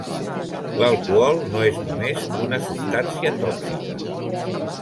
L'alcohol no és només una substància tòxica.